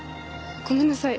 ごめんなさい。